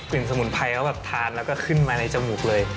สมุนไพรเขาแบบทานแล้วก็ขึ้นมาในจมูกเลย